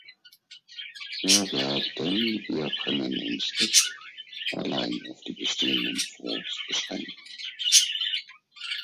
Wir werden wir können uns nicht allein auf die bestehenden Fonds beschränken.